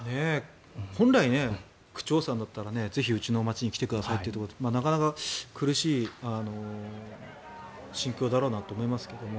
本来、区長さんだったらぜひ、うちの街に来てくださいというところをなかなか苦しい心境だろうなと思いますけども。